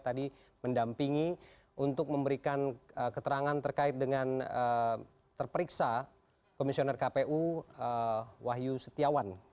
tadi mendampingi untuk memberikan keterangan terkait dengan terperiksa komisioner kpu wahyu setiawan